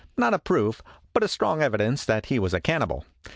not a proof, but strong evidence that he was a cannibal.